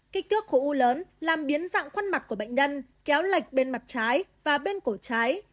kích thước khối u lớn làm biến dạng khuôn mặt của bệnh nhân kéo lệch bên mặt trái và bên cổ trái